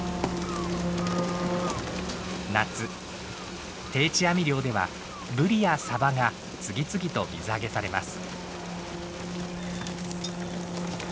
夏定置網漁ではブリやサバが次々と水揚げされます。